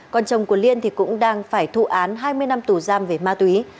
con chồng của liên cũng đang phải thụ án hai mươi năm tù giam về ma túy